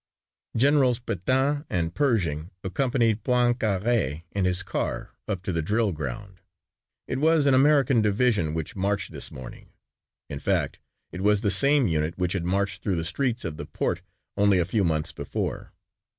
Generals Pétain and Pershing accompanied Poincaré in his car up to the drill ground. It was an American division which marched this morning. In fact it was the same unit which had marched through the streets of the port only a few months before.